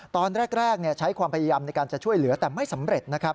ตอนแรกใช้ความพยายามในการจะช่วยเหลือแต่ไม่สำเร็จนะครับ